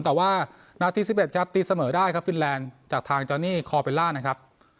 แต่ว่านาที๑๑ครับตีเสมอได้ครับฟินแลนด์จากทางจอนี่คอเบลล่านะครับ